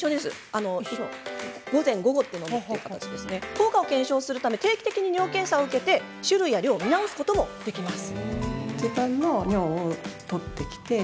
効果を検証するため定期的に尿検査を受けて種類や量を見直すこともできます。